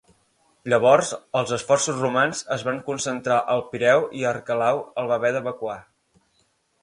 Llavors els esforços romans es van concentrar al Pireu i Arquelau el va haver d'evacuar.